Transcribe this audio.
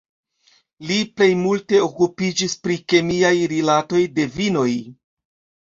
Li plej multe okupiĝis pri kemiaj rilatoj de vinoj.